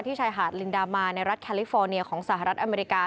ชายหาดลินดามาในรัฐแคลิฟอร์เนียของสหรัฐอเมริกา